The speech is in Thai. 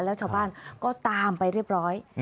แล้วชาวบ้านก็ตามไปเรียบร้อย